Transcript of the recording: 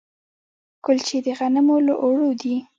کلچې د غنمو له اوړو دي.